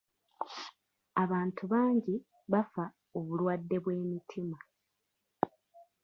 Abantu bangi bafa obulwadde bw'emitima.